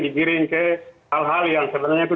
digiring ke hal hal yang sebenarnya itu